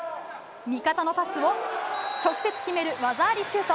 味方のパスを、直接決める技ありシュート。